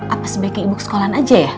apa sebaiknya ibu ke sekolah aja ya